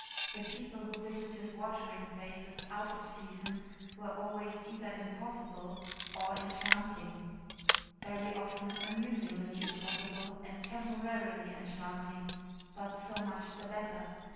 The people who visited watering places out of season were always either impossible or enchanting. Very often amusingly impossible and temporarily enchanting, but so much the better.